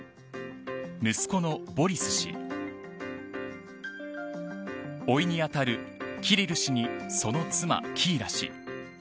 息子のボリス氏おいにあたるキリル氏にその妻のキーラ氏。